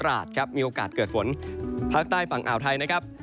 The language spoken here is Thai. ราชครับมีโอกาสเกิดฝนภาคใต้ฝั่งอ่าวไทยนะครับ